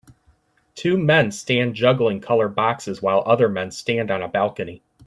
Two men stand juggling colored boxes while other men stand on a balcony.